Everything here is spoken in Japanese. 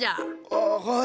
ああはい。